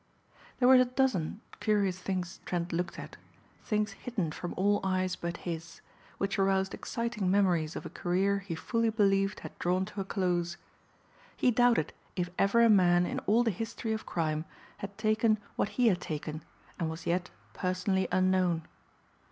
There were a dozen curious things Trent looked at, things hidden from all eyes but his, which aroused exciting memories of a career he fully believed had drawn to a close. He doubted if ever a man in all the history of crime had taken what he had taken and was yet personally unknown.